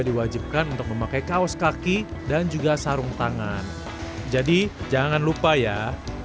diwajibkan untuk memakai kaos kaki dan juga sarung sarung yang diperlukan untuk menikmati